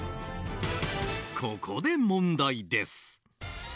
ここで問題です。